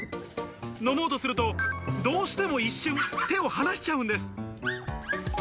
飲もうとすると、どうしても一瞬、手を放しちゃうんです。